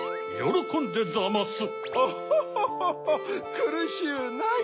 くるしゅうない。